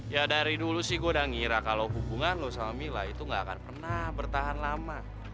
ya dari dulu sih gue udah ngira kalau hubungan lo sama mila itu gak akan pernah bertahan lama